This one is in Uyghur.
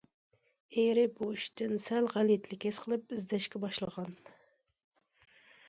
ئېرى بۇ ئىشتىن سەل غەلىتىلىك ھېس قىلىپ ئىزدەشكە باشلىغان.